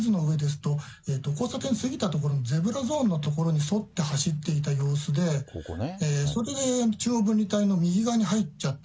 今、この映像、地図の上ですと、交差点過ぎた所、ゼブラゾーンの所に沿って走っていた様子で、それで中央分離帯の右側に入っちゃった。